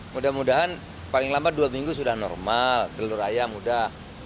mudah mudahan paling lambat dua minggu sudah normal telur ayam mudah